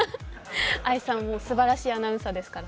愛さんもすばらしいアナウンサーですから。